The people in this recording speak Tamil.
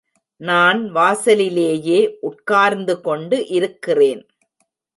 நான் வாசலிலேயே உட்கார்ந்து கொண்டு இருக்கிறேன்.